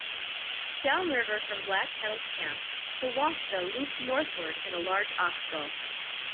Downriver from Black Kettle's camp the Washita looped northward in a large oxbow.